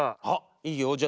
あっいいよ。